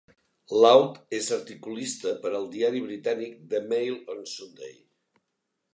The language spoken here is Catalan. Laud és articulista per al diari britànic "The Mail on Sunday".